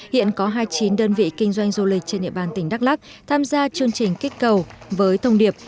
hiện có hai mươi chín đơn vị kinh doanh du lịch trên địa bàn tỉnh đắk lắc tham gia chương trình kích cầu với thông điệp